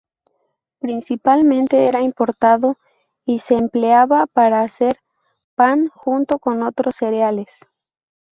Principalmente era importado y se empleaba para hacer pan junto con otros cereales.